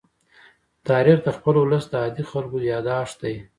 تاریخ د خپل ولس د عادي خلکو يادښت دی.